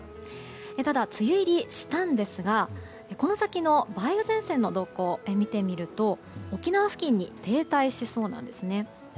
ただ、梅雨入りしたんですがこの先の梅雨前線の動向を見てみると沖縄付近に停滞しそうなんです。